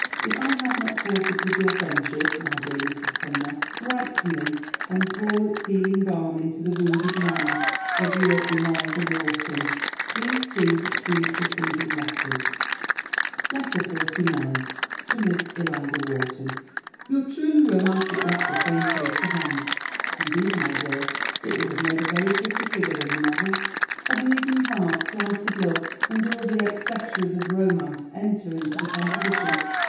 If I have not forfeited your friendship, my dear Mrs. Sumner, write to me, and pour its healing balm into the wounded mind of your ELIZA WHARTON. [Footnote A: See the two preceding letters.] LETTER XLIX. TO MISS ELIZA WHARTON. Your truly romantic letter came safe to hand. Indeed, my dear, it would make a very pretty figure in a novel. A bleeding heart, slighted love, and all the et ceteras of romance enter into the composition.